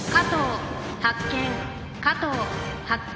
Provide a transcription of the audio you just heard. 加藤発見。